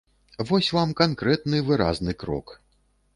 Вось вам канкрэтны выразны крок!